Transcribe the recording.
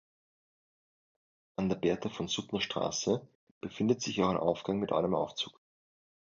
An der Bertha-von-Suttner-Straße befindet sich auch ein Aufgang mit einem Aufzug.